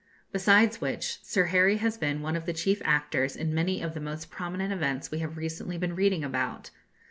Besides which, Sir Harry has been one of the chief actors in many of the most prominent events we have recently been reading about.